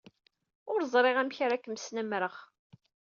Ur ẓriɣ amek ara kem-snamreɣ.